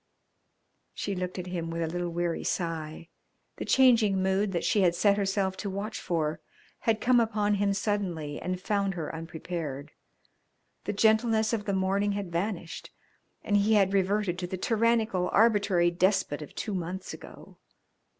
She looked at him with a little weary sigh. The changing mood that she had set herself to watch for had come upon him suddenly and found her unprepared. The gentleness of the morning had vanished and he had reverted to the tyrannical, arbitrary despot of two months ago.